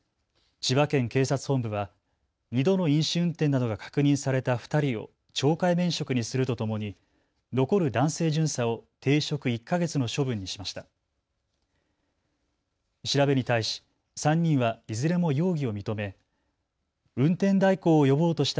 千葉県警察本部は２度の飲酒運転などが確認された２人を懲戒免職にするとともに残る男性巡査を停職１か月の処分にしました。